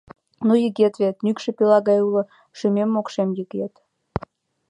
Ну, йыгет вет, нӱшкӧ пила гаяк уло шӱмем-мокшем йыгет.